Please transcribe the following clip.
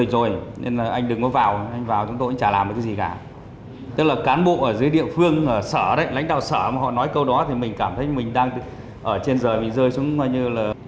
rồi mình rơi xuống ngoài như là